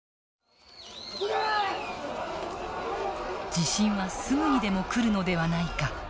地震はすぐにでも来るのではないか。